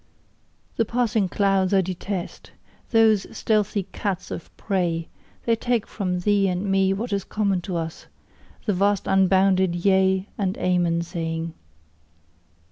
The passing clouds I detest those stealthy cats of prey: they take from thee and me what is common to us the vast unbounded Yea and Amen saying.